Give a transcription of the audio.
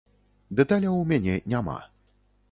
Дэталяў у мяне няма.